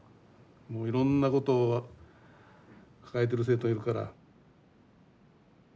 もういろんなことを抱えている生徒いるから。